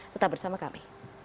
tetap bersama kami